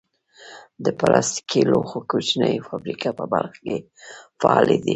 د پلاستیکي لوښو کوچنۍ فابریکې په بلخ کې فعالې دي.